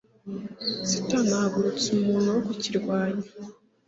Satani ahagurutsa umuntu wo kukirwanya.